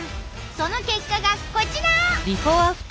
その結果がこちら！